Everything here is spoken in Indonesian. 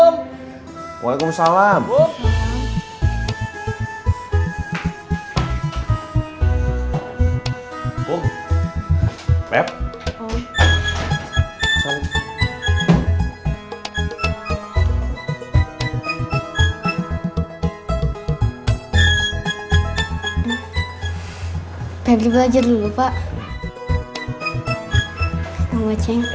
pokoknya kalau claudia ngomong apa juga jangan dengar